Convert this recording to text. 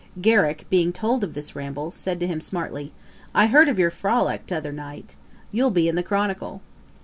Garrick being told of this ramble, said to him smartly, 'I heard of your frolick t'other night. You'll be in the Chronicle.'